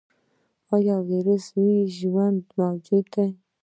ایا ویروس ژوندی موجود دی؟